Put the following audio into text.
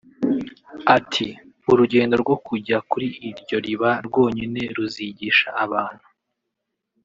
Ati “Urugendo rwo kujya kuri iryo riba rwonyine ruzigisha abantu